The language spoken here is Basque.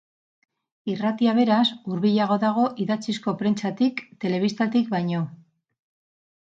Irratia beraz, hurbilago dago idatzizko prentsatik, telebistatik baino.